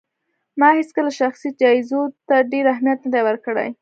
ما هيڅکله شخصي جايزو ته ډېر اهمیت نه دی ورکړی